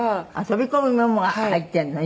飛び込むのも入ってるの？